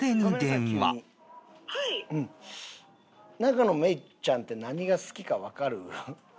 永野芽郁ちゃんって何が好きかわかる？